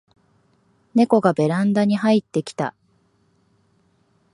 ネコがベランダに入ってきた